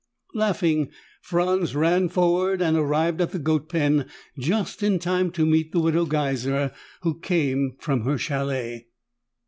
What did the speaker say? Laughing, Franz ran forward and arrived at the goat pen just in time to meet the Widow Geiser, who came from her chalet.